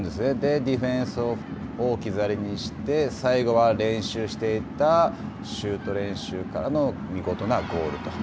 ディフェンスを置き去りにして最後は練習していたシュート練習からの見事なゴールと。